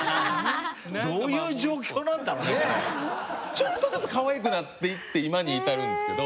ちょっとずつかわいくなっていって今に至るんですけど。